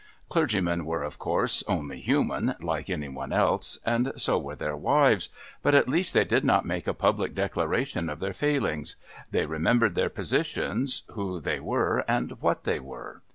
Clergymen were, of course, only human like any one else, and so were their wives, but at least they did not make a public declaration of their failings; they remembered their positions, who they were and what they were.